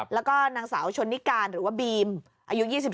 แล้วก็นางสาวชนนิการหรือว่าบีมอายุ๒๓